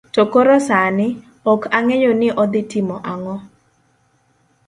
To koro sani, ok ong'eyo ni odhi timo ang'o.